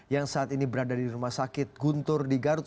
yang saat ini berada di rumah sakit guntur di garut